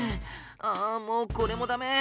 ああもうこれも駄目。